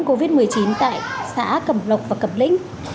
covid một mươi chín tại xã cẩm lộc và cẩm lĩnh